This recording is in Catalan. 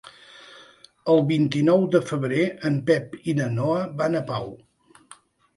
El vint-i-nou de febrer en Pep i na Noa van a Pau.